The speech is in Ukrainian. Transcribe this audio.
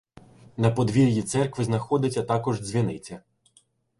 На подвір'ї церкви знаходиться також дзвіниця.